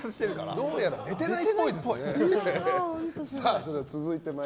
どうやら出てないっぽい。